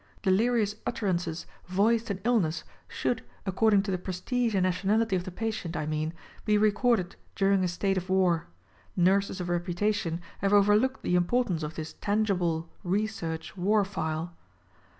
Delirious utterances voiced in illness should — according to the prestige and nationality of the patient, I mean — be recorded during a state of war ! Nurses of reputation have overlooked the importance of this tangible, re search war file.